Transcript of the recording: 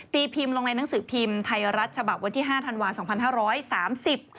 ตีพิมพ์ลงในหนังสือพิมพ์ไทยรัฐฉบับวันที่๕ธันวาส๒๕๓๐